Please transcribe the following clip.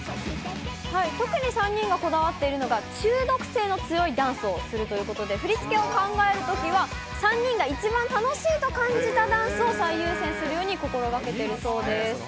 特に３人がこだわっているのが、中毒性の強いダンスをするということで、振り付けを考えるときは、３人が一番楽しいと感じたダンスを最優先するように、心がけてるそうです。